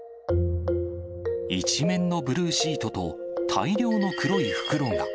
一面のブルーシートと、大量の黒い袋が。